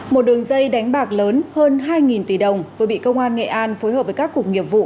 một đường dây đánh bạc lớn hơn hai tỷ đồng vừa bị công an nghệ an phối hợp với các cục nghiệp vụ